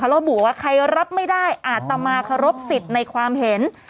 ระบุว่าใครรับไม่ได้อาตมาเคารพสิทธิ์ในความเห็น